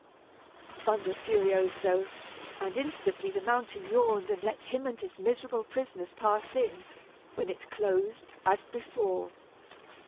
thundered Furioso, and instantly the mountain yawned to let him and his miserable prisoners pass in, when it closed, as before.